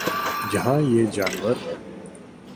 جہاں یہ جانور